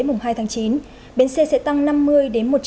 mùng hai tháng chín bến xe sẽ tăng năm mươi một trăm linh lượt